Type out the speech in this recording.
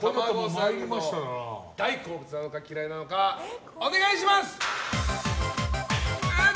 サンド大好物なのか嫌いなのか、お願いします！